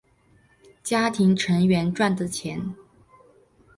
家庭成员赚的钱